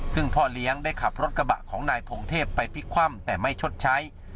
ซึ่งพ่อเลี้ยงได้ขับรถกระบะของนายพงเทพไปพลิกคว่ำแต่ไม่ชดใช้